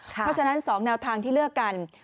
เพราะฉะนั้น๒แนวทางที่เลือกกัน